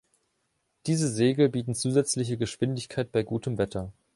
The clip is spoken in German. Diese Segel bieten zusätzliche Geschwindigkeit bei gutem Wetter.